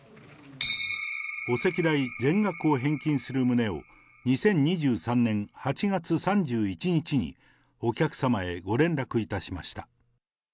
お席代全額を返金する旨を、２０２３年８月３１日に、お客様へご連絡いたしました。